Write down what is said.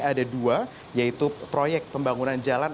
ada dua yaitu proyek pembangunan jalan